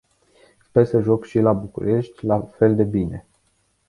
Sper să joc și la București la fel de bine.